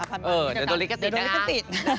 เออเดี๋ยวโดริกสิทธิ์นะคะ